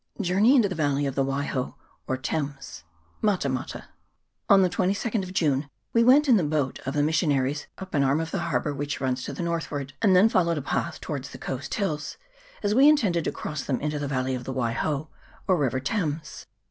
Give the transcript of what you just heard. Journey into the Valley of the Waiho, or Thames Mata mata. ON the 22nd of June we went in the boat of the missionaries up an arm of the harbour which runs to the northward, and then followed a path towards the coast hills, as we intended to cross them into the valley of the Waiho, or river Thames.